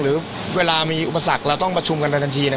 หรือเวลามีอุปสรรคเราต้องประชุมกันในทันที